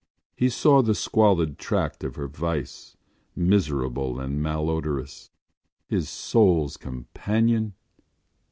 He saw the squalid tract of her vice, miserable and malodorous. His soul’s companion!